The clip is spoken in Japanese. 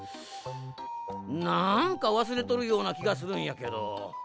なんかわすれとるようなきがするんやけど。